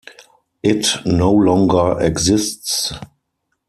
It no longer exists.